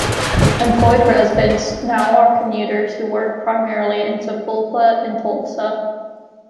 Employed residents now are commuters who work primarily in Sapulpa and Tulsa.